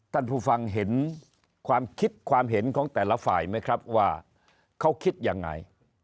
ท่านผู้ฟังเห็นความคิดความเห็นของแต่ละฝ่ายไหมครับว่าเขาคิดยังไง